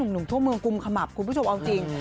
หนุ่มทั่วเมืองกุมขมับคุณผู้ชมเอาจริง